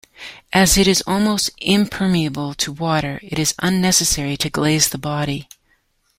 As it is almost impermeable to water, it is unnecessary to glaze the body.